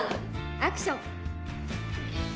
アクション。